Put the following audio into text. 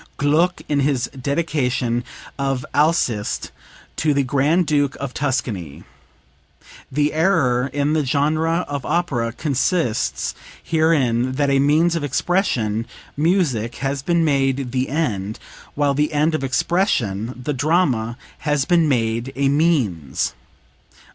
Gluck in his dedication of "Alceste" to the Grand Duke of Tuscany. "The error in the genre of opera consists herein, that a means of expression has been made the end, while the end of expression (the drama) has been made a means."